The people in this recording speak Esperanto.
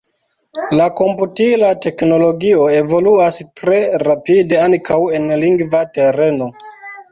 La komputila teknologio evoluas tre rapide ankaŭ en lingva tereno.